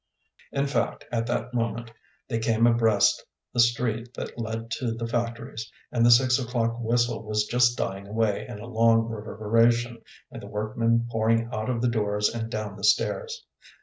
In fact, at that moment they came abreast the street that led to the factories, and the six o'clock whistle was just dying away in a long reverberation, and the workmen pouring out of the doors and down the stairs.